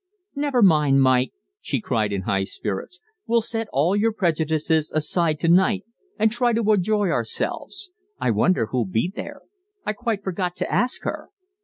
"Never mind, Mike," she cried in high spirits. "We'll set all your prejudices aside to night, and try to enjoy ourselves. I wonder who'll be there. I quite forgot to ask her."